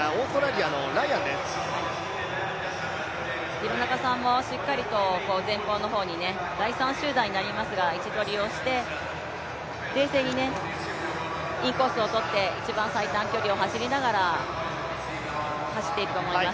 廣中さんもしっかりと前方の方に、第３集団になりますが位置取りをして、冷静にインコースをとって一番最短距離を走っていくと思います。